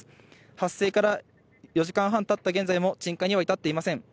発生から４時間半たった現在も、鎮火には至っていません。